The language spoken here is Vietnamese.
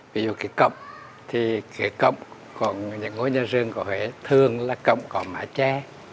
ví dụ cái cọng thì cái cọng của những ngôi nhà rường của huế thường là cọng có mái tre